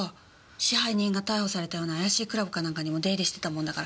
支配人が逮捕されたような怪しいクラブかなんかにも出入りしてたもんだから。